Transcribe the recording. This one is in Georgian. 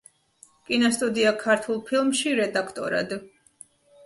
კინოსტუდია „ქართულ ფილმში“ რედაქტორად.